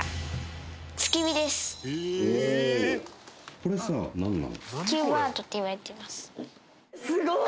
これさなんなの？